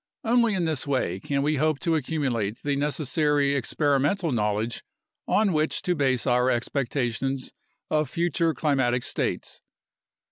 Only in this way can we hope to accumulate the necessary experimental knowledge on which to base our expectations of future climatic states.